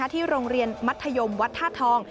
ที่โรงเรียนมัธยมวัดท่าทอง